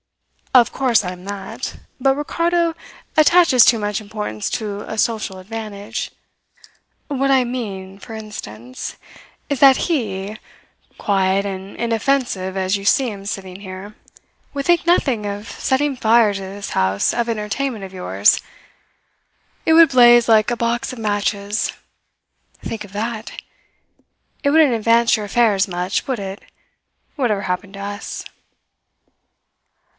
"Of course I am that; but Ricardo attaches too much importance to a social advantage. What I mean, for instance, is that he, quiet and inoffensive as you see him sitting here, would think nothing of setting fire to this house of entertainment of yours. It would blaze like a box of matches. Think of that! It wouldn't advance your affairs much, would it? whatever happened to us."